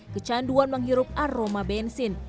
kecanduan menghirup aroma bensin